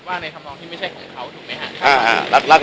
ว่าในคำว่างที่ไม่ใช่ของเขาถูกมั้ยฮะ